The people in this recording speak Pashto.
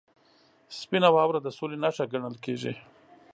• سپینه واوره د سولې نښه ګڼل کېږي.